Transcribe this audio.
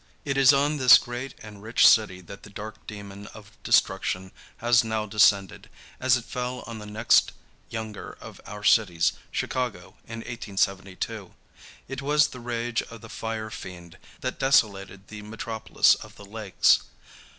It is on this great and rich city that the dark demon of destruction has now descended, as it fell on the next younger of our cities, Chicago, in 1872. It was the rage of the fire fiend that desolated the metropolis of the lakes.